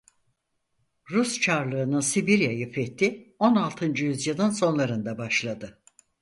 Rus Çarlığı'nın Sibirya'yı fethi on altıncı yüzyılın sonlarında başladı.